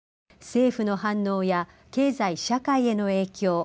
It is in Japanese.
政府の反応や経済社会への影響